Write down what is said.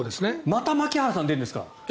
また槙原さんが出るんですか。